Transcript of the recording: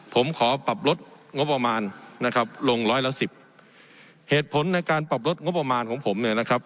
ผมขอปรับลดงบประมาณนะครับลงร้อยละสิบเหตุผลในการปรับลดงบประมาณของผมเนี่ยนะครับ